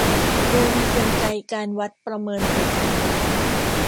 โดยมีกลไกการวัดประเมินผล